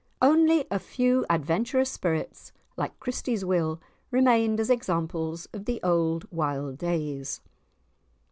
Only a few adventurous spirits like Christie's Will remained as examples of the old wild days.